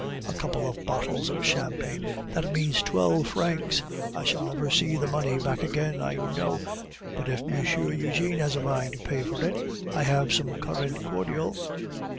A couple of bottles of champagne; that means twelve francs! I shall never see the money back again, I know! But if M. Eugene has a mind to pay for it, I have some currant cordial."